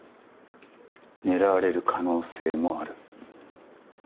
狙われる可能性もある。